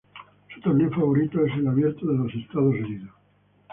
Su torneo favorito es el Abierto de Estados Unidos.